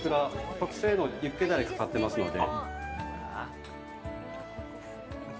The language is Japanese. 特製のユッケダレがかかってますので。